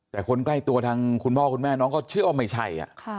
แต่คนใกล้ตัวทางคุณพ่อคุณแม่น้องก็เชื่อว่าไม่ใช่